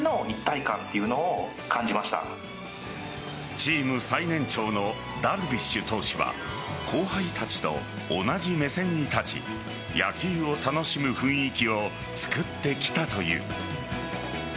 チーム最年長のダルビッシュ投手は後輩たちと同じ目線に立ち野球を楽しむ雰囲気をつくってきたという。